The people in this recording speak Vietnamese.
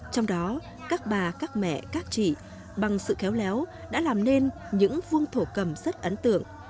trong đó các bà các mẹ các chị bằng sự khéo léo đã làm nên những vuông thổ cầm rất ấn tượng